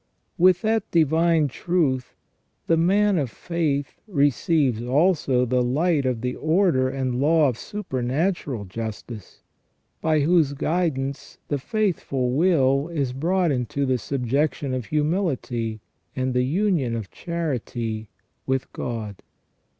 With that divine truth the man of faith receives also the light of the order and law of supernatural justice, by whose guidance the faithful will is brought into the subjection of humility and the union of charity with God.